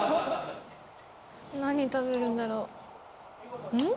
何食べるんだろうん？